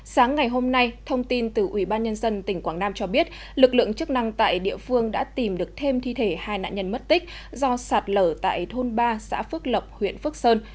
sáng ngày hôm nay thông tin từ ủy ban nhân dân tỉnh quảng nam cho biết lực lượng chức năng tại địa phương đã tìm được thêm thi thể hai nạn nhân mất tích do sạt lở tại thôn ba xã phước lộc huyện phước sơn